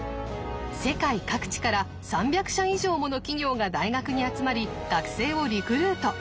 世界各地から３００社以上もの企業が大学に集まり学生をリクルート。